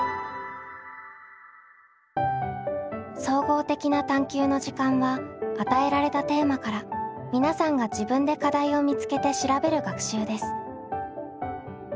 「総合的な探究の時間」は与えられたテーマから皆さんが自分で課題を見つけて調べる学習です。